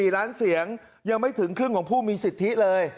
๔ล้านเสียงยังไม่ถึงครึ่งของผู้มีสิทธิเลย